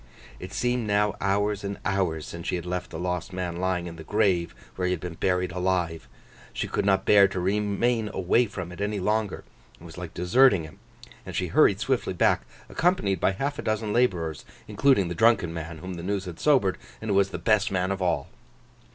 It seemed now hours and hours since she had left the lost man lying in the grave where he had been buried alive. She could not bear to remain away from it any longer—it was like deserting him—and she hurried swiftly back, accompanied by half a dozen labourers, including the drunken man whom the news had sobered, and who was the best man of all.